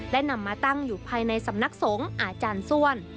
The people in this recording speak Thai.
และนำมาตั้งอยู่ภายในสำนักสงฆ์อาจารย์ส้วน